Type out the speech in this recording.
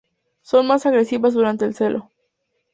Son más agresivas durante el celo.